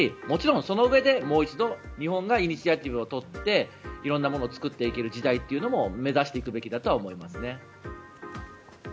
もちろん、そのうえでもう一度日本がイニシアチブを取って色んなものを作っていける時代というのも目指していくべきだと思いますね。